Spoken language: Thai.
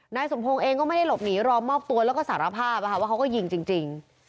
นายสมพงศ์เองก็ไม่ได้หลบหนีรอมอบตัวแล้วก็สารภาพว่าเขาก็ยิงจริง